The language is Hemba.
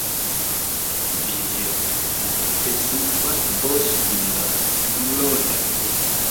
Vilye gututele batwe bose mbila tumulonde.